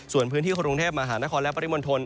ส่วนพื้นที่กรุงเทพมหานครและปริมณฑล